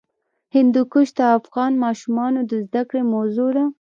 هندوکش د افغان ماشومانو د زده کړې موضوع ده.